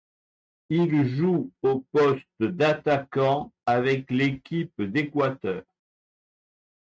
Il joue au poste d'attaquant avec l'équipe d'Équateur.